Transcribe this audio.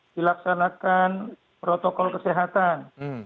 dilaksanakan protokol kesehatan